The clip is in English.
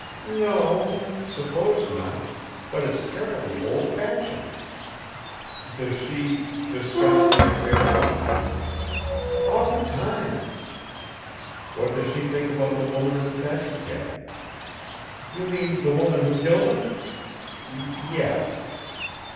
"No o, I suppose not; but it's terribly old fashioned." "Does she discuss the affair much?" "All the time." "What does she think about the woman in the taxicab?" "You mean the woman who killed him?" "Yes."